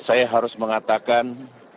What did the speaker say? saya harus mengatakan